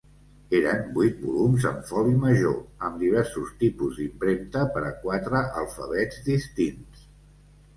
Eren vuit volums en foli major, amb diversos tipus d'impremta per a quatre alfabets distints.